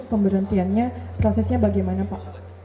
pemberhentiannya prosesnya bagaimana pak